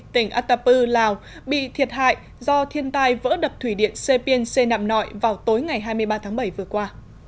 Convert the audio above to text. tỉnh atapu lào bị thiệt hại do thiên tai vỡ đập thủy điện xe biên xe nạm nọi vào tối ngày hai mươi ba tháng bảy vừa qua